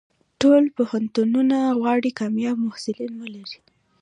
ټول پوهنتونونه غواړي کامیاب محصلین ولري.